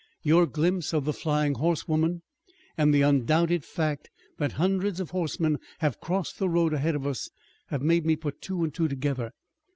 Your glimpse of the flying horsewoman, and the undoubted fact that hundreds of horsemen have crossed the road ahead of us, have made me put two and two together.